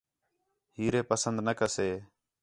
ہیرے پسند نہ کسے